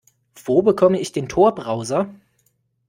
Wo bekomme ich den Tor-Browser?